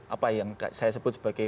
apa yang saya sebut sebagai